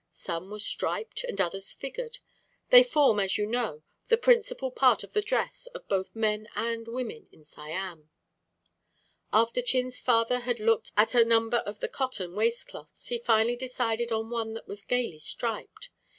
Some were striped, and others figured. They form, as you know, the principal part of the dress of both men and women in Siam. After Chin's father had looked at a number of the cotton waist cloths, he finally decided on one that was gaily striped.